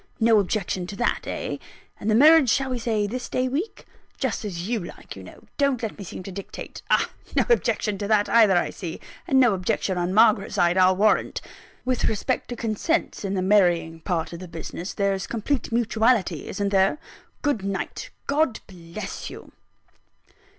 No objection to that eh? And the marriage, shall we say this day week? Just as you like, you know don't let me seem to dictate. Ah! no objection to that, either, I see, and no objection on Margaret's side, I'll warrant! With respect to consents, in the marrying part of the business, there's complete mutuality isn't there? Good night: God bless you!"